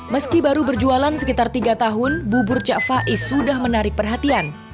meski baru berjualan sekitar tiga tahun bubur cak faiz sudah menarik perhatian